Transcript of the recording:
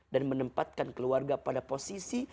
dan menempatkan keluarga pada posisi